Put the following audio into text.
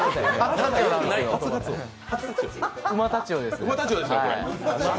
うまタチオですね。